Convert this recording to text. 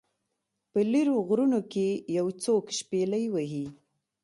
په لیرو غرونو کې یو څوک شپیلۍ وهي